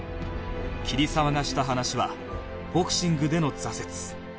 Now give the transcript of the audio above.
桐沢がした話はボクシングでの挫折